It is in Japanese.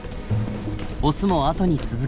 オスもあとに続きます。